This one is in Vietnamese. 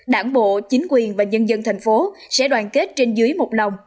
đảng bộ chính quyền và nhân dân thành phố sẽ đoàn kết trên dưới một lòng